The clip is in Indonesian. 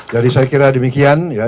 jadi saya kira demikian ya